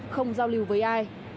không giao lưu với ai